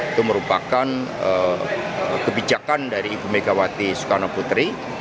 itu merupakan kebijakan dari ibu megawati soekarno putri